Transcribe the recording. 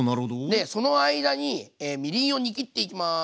でその間にみりんを煮切っていきます。